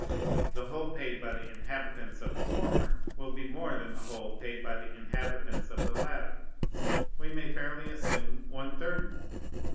The whole paid by the inhabitants of the former will be more than the whole paid by the inhabitants of the latter, we may fairly assume one third more.